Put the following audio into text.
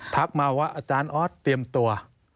ทักมาว่าอาจารย์ออสเตรียมตัว